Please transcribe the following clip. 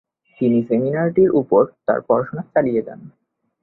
তিনি সেমিনারির উপর তার পড়াশোনা চালিয়ে যান।